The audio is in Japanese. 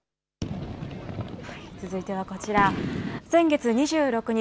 続いてはこちら、先月２６日